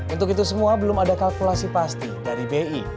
untuk itu semua belum ada kalkulasi pasti dari bi